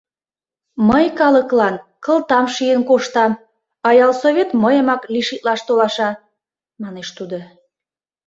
— Мый калыклан кылтам шийын коштам, а ялсовет мыйымак лишитлаш толаша, — манеш тудо.